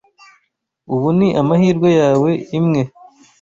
Ubu ni amahirwe yawe imwe.